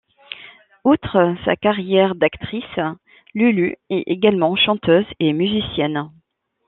Outre sa carrière d'actrice, Lulu est également chanteuse et musicienne.